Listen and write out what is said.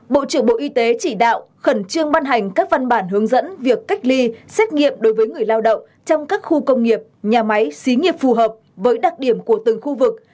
bộ trưởng bộ y tế chỉ đạo khẩn trương ban hành các văn bản hướng dẫn việc cách ly xét nghiệm đối với người lao động trong các khu công nghiệp nhà máy xí nghiệp phù hợp với đặc điểm của từng khu vực